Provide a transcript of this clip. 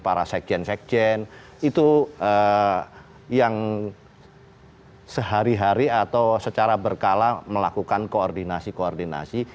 para sekjen sekjen itu yang sehari hari atau secara berkala melakukan koordinasi koordinasi